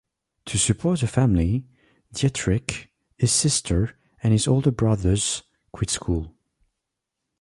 To support the family, Dietrick, his sister, and his older brothers quit school.